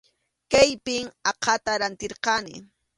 Kaypim aqhata rantirqani.